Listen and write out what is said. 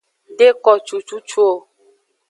De ko cucucu o.